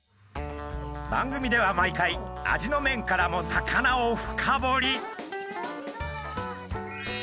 番組では毎回味の面からも魚を深掘り。